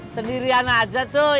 sendirian aja cuy